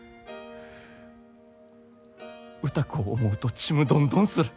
歌子を思うとちむどんどんする。